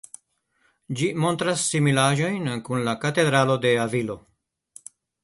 Ĝi montras similaĵojn kun la Katedralo de Avilo.